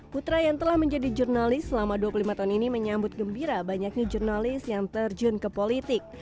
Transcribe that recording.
putra yang telah menjadi jurnalis selama dua puluh lima tahun ini menyambut gembira banyaknya jurnalis yang terjun ke politik